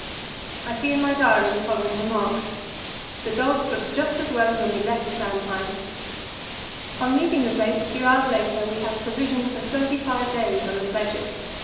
I see in my diary the following remark: "The dogs look just as well as when we left Framheim." On leaving the place a few hours later we had provisions for thirty five days on the sledges.